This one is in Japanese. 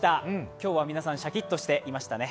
今日は皆さん、シャキッとしていましたね。